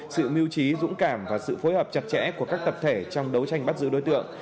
sự mưu trí dũng cảm và sự phối hợp chặt chẽ của các tập thể trong đấu tranh bắt giữ đối tượng